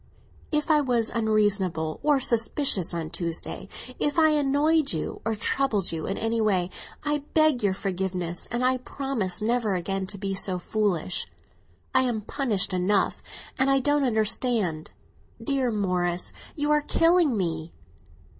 "If I was unreasonable or suspicious on Tuesday—if I annoyed you or troubled you in any way—I beg your forgiveness, and I promise never again to be so foolish. I am punished enough, and I don't understand. Dear Morris, you are killing me!"